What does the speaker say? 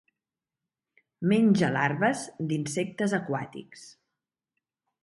Menja larves d'insectes aquàtics.